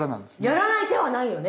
やらない手はないよね。